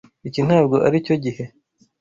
Iki ntabwo aricyo gihe